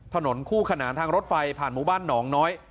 ถนนคู่ขนานทางรถไฟผ่านหมู่บ้านหนองน้อย